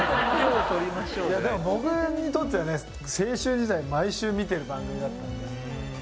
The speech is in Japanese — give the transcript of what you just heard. でも、僕にとってはね青春時代毎週見ている番組だったんで。